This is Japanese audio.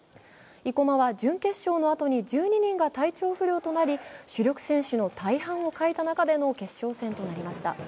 生駒は準決勝のあとに１２人が体調不良となり、主力選手の大半を欠いた中での決勝戦となりました。